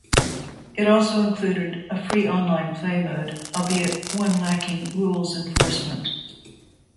It also included a free online play mode, albeit one lacking rules enforcement.